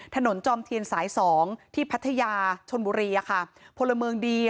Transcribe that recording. จอมเทียนสายสองที่พัทยาชนบุรีอะค่ะพลเมืองดี